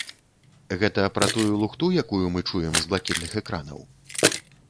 Гэта пра тую лухту, якую мы чуем з блакітных экранаў.